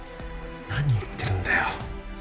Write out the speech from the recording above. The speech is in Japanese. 何言ってるんだよ